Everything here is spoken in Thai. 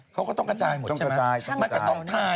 เขาก็ต้องกระจายตัวจริงป่ะ